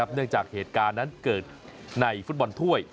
เนื่องจากเหตุการณ์นั้นเกิดในฟุตบอลถ้วย